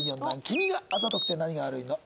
「君があざとくて何が悪いの？